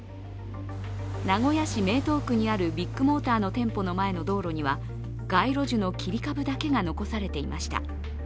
名古屋市名東区にあるビッグモーターの店舗の前の道路には街路樹の切り株だけが残されていました。